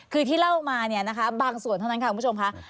คือที่เล่ามาบางส่วนเท่านั้นฮะคุณผู้ชมภาค